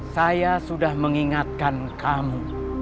saya sudah mengingatkan kamu